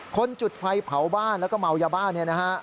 จุดไฟเผาบ้านแล้วก็เมายาบ้าเนี่ยนะฮะ